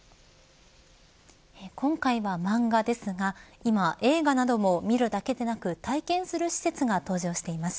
今回は漫画ですが今、映画なども見るだけではなく体験する施設が登場しています。